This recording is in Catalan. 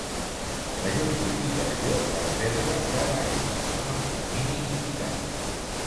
La justificació cal fer-la cada any, en els terminis indicats.